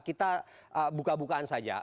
kita buka bukaan saja